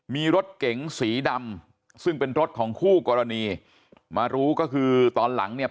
มีรถเก๋งสีดำซึ่งเป็นรถของคู่กรณีมารู้ก็คือตอนหลังเนี่ย